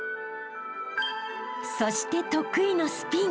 ［そして得意のスピン］